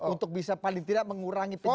untuk bisa paling tidak mengurangi pencegahan